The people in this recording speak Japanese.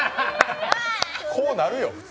こうなるよ、普通。